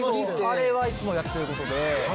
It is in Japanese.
あれはいつもやってることで。